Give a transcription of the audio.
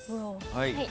はい。